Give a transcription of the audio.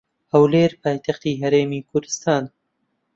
هەولێر پایتەختی هەرێمی کوردستانە.